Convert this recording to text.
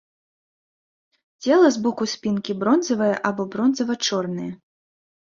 Цела з боку спінкі бронзавае або бронзава-чорнае.